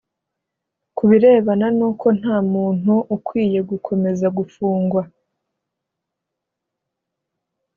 Ku birebana n uko nta muntu ukwiye gukomeza gufungwa .